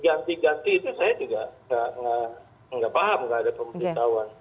ganti ganti itu saya juga nggak paham nggak ada pemberitahuan